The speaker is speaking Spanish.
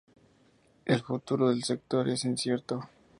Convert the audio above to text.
El futuro del sector es incierto.